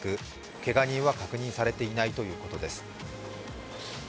けが人は確認されていないということです。